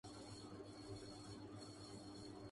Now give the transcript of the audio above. ''تیرے صدقے وے دلدارا‘‘ جس پہ ڈانس نیلو کا ہے۔